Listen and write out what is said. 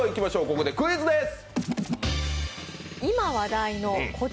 ここでクイズです。